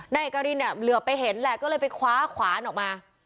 นายเอกรินเนี่ยเหลือไปเห็นแหละก็เลยไปคว้าขวานออกมา